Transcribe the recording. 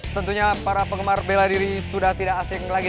tentunya para penggemar bela diri sudah tidak asing lagi